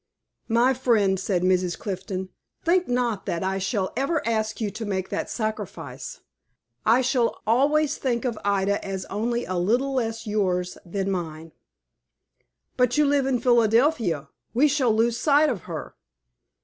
"My friend," said Mrs. Clifton, "think not that I shall ever ask you to make that sacrifice. I shall always think of Ida as only a little less yours than mine." "But you live in Philadelphia. We shall lose sight of her."